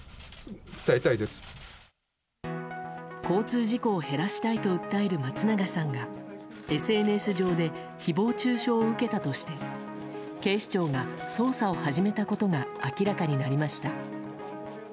交通事故を減らしたいと訴える松永さんがＳＮＳ上で誹謗中傷を受けたとして警視庁が捜査を始めたことが明らかになりました。